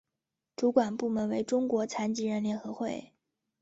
主管部门为中国残疾人联合会。